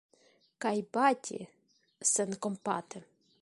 Kaj bati senkompate!